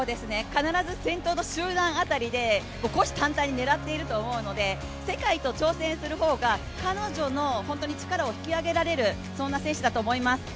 必ず先頭の集団辺りで虎視眈々と狙っていると思うので世界と挑戦する方が彼女の力を引き上げられるそんな選手だと思います。